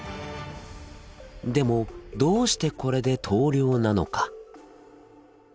でもどうしてこれで投了なのか？